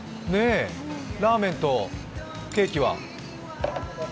ラーメンとケーキは。